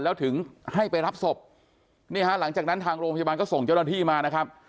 แล้วถึงให้ไปรับศพนี่ฮะหลังจากนั้นทางโรงพยาบาลก็ส่งเจ้าหน้าที่มานะครับ